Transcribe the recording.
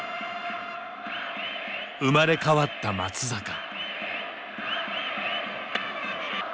生まれ変わった松坂。